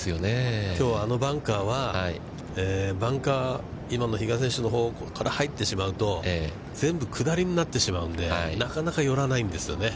きょう、あのバンカーは、バンカー、今の比嘉選手の方向から入ってしまうと全部下りになってしまうので、なかなか寄らないんですよね。